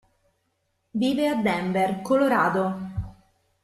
Vive a Denver, Colorado.